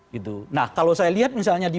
gitu nah kalau saya lihat misalnya di